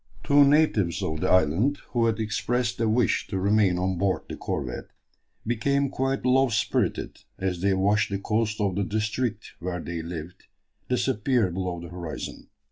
Two natives of the island, who had expressed a wish to remain on board the corvette, became quite low spirited as they watched the coast of the district where they lived disappear below the horizon.